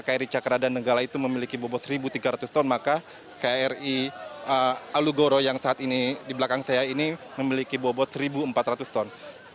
kri cakra dan nenggala itu memiliki bobot seribu tiga ratus ton maka kri alugoro yang saat ini di belakang saya ini memiliki bobot seribu empat ratus ton